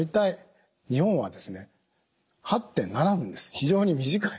非常に短い。